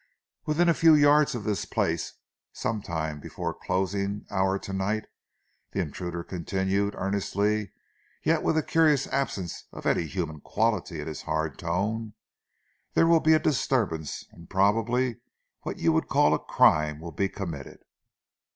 "Within a few yards of this place, sometime before the closing hour to night," the intruder continued, earnestly yet with a curious absence of any human quality in his hard tone, "there will be a disturbance, and probably what you would call a crime will be committed.